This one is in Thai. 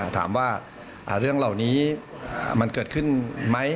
ถามว่าเรื่องเหล่านี้มันเกิดขึ้นไหม